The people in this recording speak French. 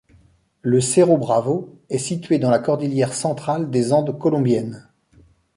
Le Cerro Bravo est situé dans la cordillère Centrale des Andes colombiennes.